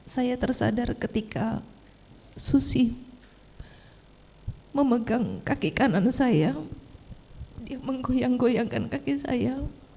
saya tersadar ketika susi memegang kaki kanan saya dia menggoyang goyangkan kaki saya